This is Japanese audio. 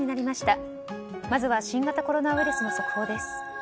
まずは新型コロナウイルスの速報です。